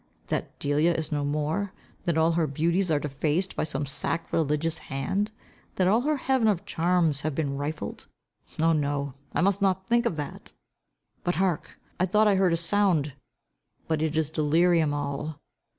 That Delia is no more? That all her beauties are defaced, by some sacrilegious hand? That all her heaven of charms have been rifled? Oh, no. I must not think of that. But hark! I thought I heard a sound, but it is delirium all.